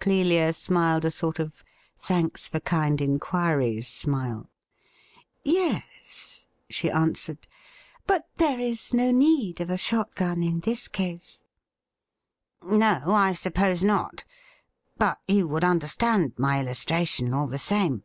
Clelia smiled a sort of thanks for kind inquiries smile. ' Yes,' she answered ;' but there is no need of a shot gun in this case.' ' No, I suppose not ; but you would understand my illustration, all the same.'